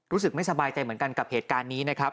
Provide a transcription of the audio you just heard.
รู้สึกไม่สบายใจเหมือนกันกับเหตุการณ์นี้นะครับ